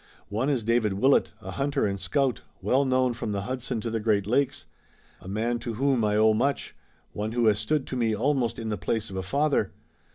One is David Willet, a hunter and scout, well known from the Hudson to the Great Lakes, a man to whom I owe much, one who has stood to me almost in the place of a father.